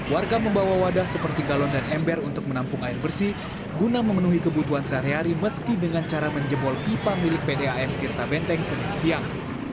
warga membawa wadah seperti galon dan ember untuk menampung air bersih guna memenuhi kebutuhan sehari hari meski dengan cara menjebol pipa milik pdam tirta benteng senin siang